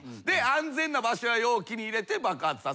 安全な場所や容器に入れて爆発させる。